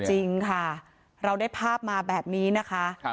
จริงค่ะเราได้ภาพมาแบบนี้นะคะ